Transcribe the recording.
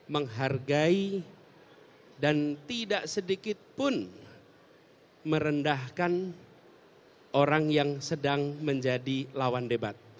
menghargai dan tidak sedikit pun merendahkan orang yang sedang menjadi lawan debat